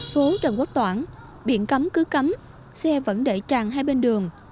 phố trần quốc toãn biển cấm cứ cấm xe vẫn đẩy tràn hai bên đường